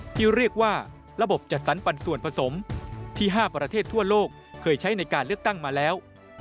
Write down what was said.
ที่เรียกว่าระบบจัดสรรปันส่วนผสมที่๕ประเทศทั่วโลกเคยใช้ในการเลือกตั้งมาแล้ว